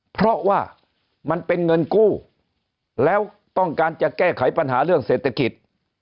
เพราะว่ามันเป็นเงินกู้แล้วต้องการจะแก้ไขปัญหาเรื่องเศรษฐกิจ